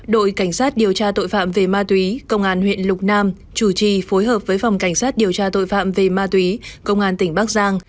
đội cảnh sát điều tra tội phạm về ma túy công an huyện lục nam chủ trì phối hợp với phòng cảnh sát điều tra tội phạm về ma túy công an tỉnh bắc giang